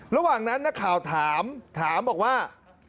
ระหว่างนั้นนักข่าวถามถามบอกว่า